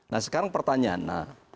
nah sekarang pertanyaan